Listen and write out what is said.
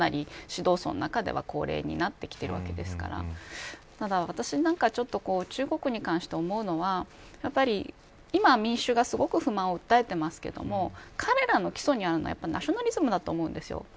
むしろ、習近平さん自身が指導者の中では高齢になってきているわけですから私は中国に関して思うのは今民衆が不満を訴えていますが彼らの基礎にあるのはナショナリズムだと思うんです。